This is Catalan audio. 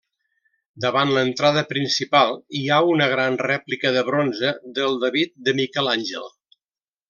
Davant l'entrada principal hi ha una gran rèplica de bronze del David de Miquel Àngel.